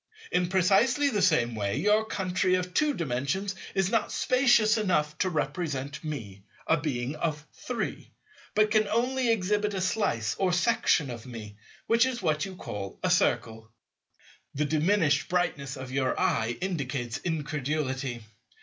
In precisely the same way, your country of Two Dimensions is not spacious enough to represent me, a being of Three, but can only exhibit a slice or section of me, which is what you call a Circle. The diminished brightness of your eye indicates incredulity.